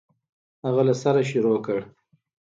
هغه له سره شروع کړ.